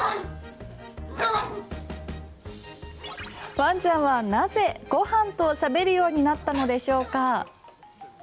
ワンちゃんはなぜ、ご飯としゃべるようになったのでしょうか。